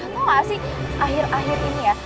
aku gak sih akhir akhir ini ya